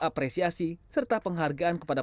apresiasi serta penghargaan kepada